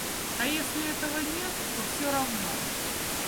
А если этого нет, то всё равно.